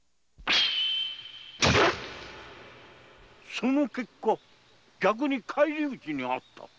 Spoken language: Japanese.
その結果逆に返り討ちに遭ったと？